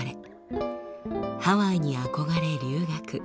ハワイに憧れ留学。